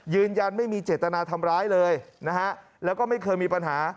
ยืนยันไม่มีเจตนาทำร้ายเลยนะฮะแล้วก็ไม่เคยมีปัญหา